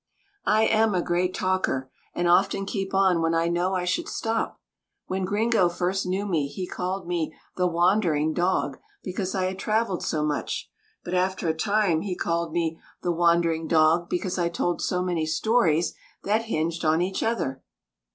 I am a great talker, and often keep on when I know I should stop. When Gringo first knew me, he called me "The Wandering Dog" because I had travelled so much, but after a time he called me "The Wandering Dog" because I told so many stories that hinged on each other.